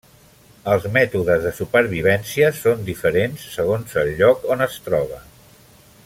Els mètodes de supervivència són diferents segons el lloc on es troba.